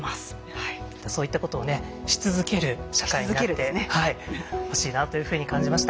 そういったことをねし続ける社会になってほしいなというふうに感じました。